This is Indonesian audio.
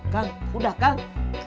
kang udah kang